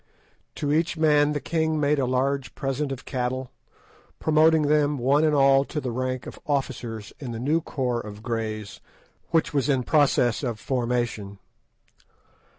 To each man the king made a large present of cattle, promoting them one and all to the rank of officers in the new corps of Greys which was in process of formation.